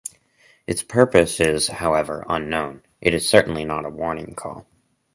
Its purpose is, however, unknown; it is certainly not a warning call.